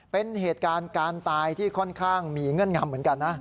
เป็นเหตุการณ์การตายที่ค่อนข้างมีเงื่อนงำเหมือนกันนะ